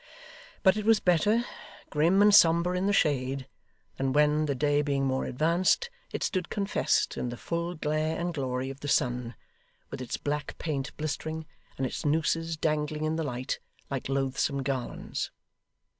But it was better, grim and sombre in the shade, than when, the day being more advanced, it stood confessed in the full glare and glory of the sun, with its black paint blistering, and its nooses dangling in the light like loathsome garlands.